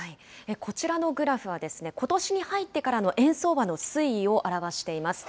こちらのグラフは、ことしに入ってからの円相場の推移を表しています。